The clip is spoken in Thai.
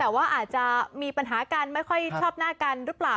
แต่ว่าอาจจะมีปัญหากันไม่ค่อยชอบหน้ากันหรือเปล่า